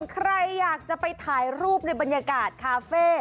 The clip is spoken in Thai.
ใครอยากจะไปถ่ายรูปในบรรยากาศคาเฟ่